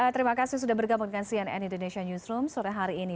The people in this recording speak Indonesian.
terima kasih sudah bergabung dengan cnn indonesia newsroom sore hari ini